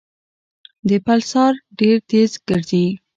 د پلسار ډېر تېز ګرځي.